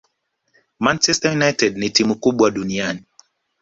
Manchester United ni timu kubwa duniani